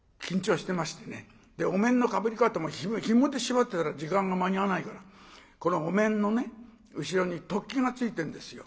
お面のかぶり方もひもで縛ってたら時間が間に合わないからこのお面の後ろに突起がついてるんですよ。